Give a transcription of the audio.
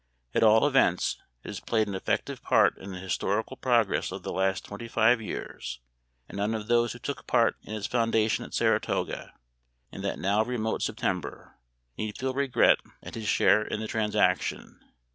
At all events, it has played an effective part in the historical progress of the last twenty five years, and none of those who took part in its foundation at Saratoga, in that now remote September, need feel regret at his share in the transaction.